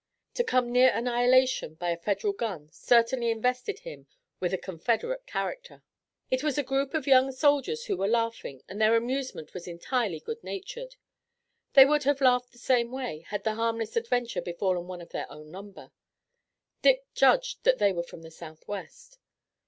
To come near annihilation by a Federal gun certainly invested him with a Confederate character. It was a group of young soldiers who were laughing and their amusement was entirely good natured. They would have laughed the same way had the harmless adventure befallen one of their own number. Dick judged that they were from the Southwest.